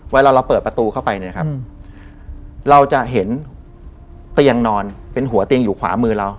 เวลาเราเปิดประตูเข้าไปเนี่ยครับเราจะเห็นเตียงนอนเป็นหัวเตียงอยู่ขวามือเรา